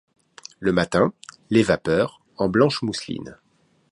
Le matin, les vapeurs, en blanches mousselines